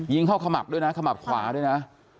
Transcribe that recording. เข้าขมับด้วยนะขมับขวาด้วยนะ